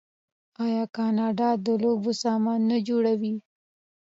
آیا کاناډا د لوبو سامان نه جوړوي؟